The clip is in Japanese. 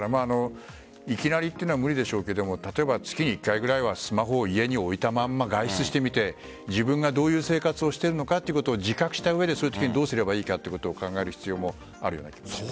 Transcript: いきなりは無理でしょうけど例えば月に１回ぐらいはスマホを家に置いたまま外出してみて自分がどういう生活をしているのかを自覚した上でどうすればいいのかということを考える必要もあるような気がします。